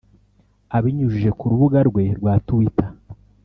Abinyujije ku rubuga rwe rwa twitter